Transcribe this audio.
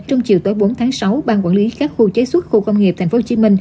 trong chiều tối bốn tháng sáu ban quản lý các khu chế xuất khu công nghiệp tp hcm